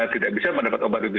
tidak bisa mendapat obat itu